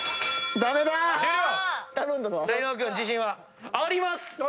伊野尾君自信は？あります！